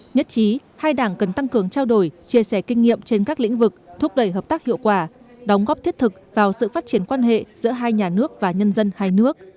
nhất trí hai đảng cần tăng cường trao đổi chia sẻ kinh nghiệm trên các lĩnh vực thúc đẩy hợp tác hiệu quả đóng góp thiết thực vào sự phát triển quan hệ giữa hai nhà nước và nhân dân hai nước